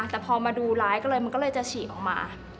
แต่พอมาดูร้ายก็เลยมันก็เลยจะฉี่ออกมา